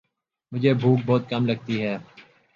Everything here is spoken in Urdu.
مجھے بھوک بہت کم لگتی ہے